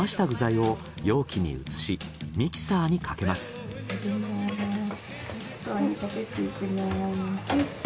はいかけていきます。